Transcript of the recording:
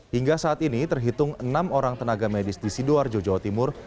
hingga saat ini terhitung enam orang tenaga medis di sidoarjo jawa timur